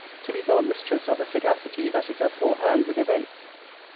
] to be thought mistress of a sagacity that is aforehand with events.